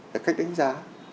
cái cách đánh giá